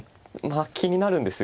気になるんです。